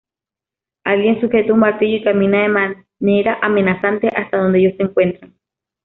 Alguien sujeta un martillo, y camina de manera amenazante hasta donde ellos se encuentran.